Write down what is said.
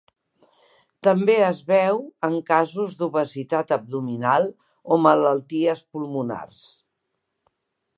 També es veu en casos d'obesitat abdominal o malalties pulmonars.